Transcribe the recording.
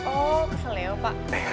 oh kesel ya pak